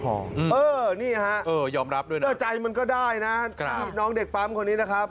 เออนี่ครับใจมันก็ได้นะน้องเด็กปั๊มคนนี้นะครับ